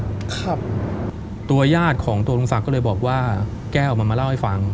ครับตัวญาติของตัวลุงศักดิ์ก็เลยบอกว่าแก้วมันมาเล่าให้ฟัง